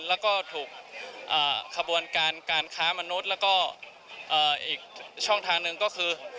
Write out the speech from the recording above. แล้วก็ถูกขบวนการการค้ามนุษย์แล้วก็อีกช่องทางหนึ่งก็คือ